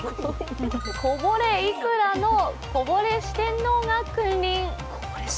こぼれいくらのこぼれ四天王が君臨。